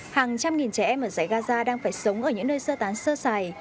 hàng trăm nghìn trẻ em ở giải gaza đang phải sống ở những nơi sơ tán sơ xài